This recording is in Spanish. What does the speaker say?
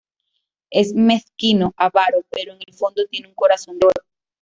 Es mezquino, avaro, pero en el fondo tiene un corazón de oro.